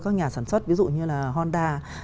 các nhà sản xuất ví dụ như là honda